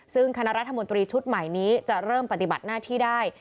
ซึ่งคณะรัฐมนตรีชุดใหม่นี้จะเริ่มปฏิบัติหน้าที่ได้